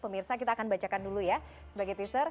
pemirsa kita akan bacakan dulu ya